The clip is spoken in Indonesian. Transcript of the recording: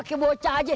ke bocah aja